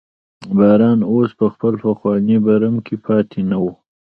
باران اوس په خپل پخواني برم کې پاتې نه و.